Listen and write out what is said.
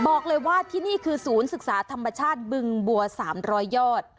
บอกเลยว่าที่นี่คือศูนย์ศึกษาธรรมชาติบึงบัว๓๐๐ยอด